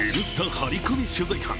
ハリコミ取材班